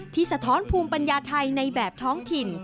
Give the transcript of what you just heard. สะท้อนภูมิปัญญาไทยในแบบท้องถิ่น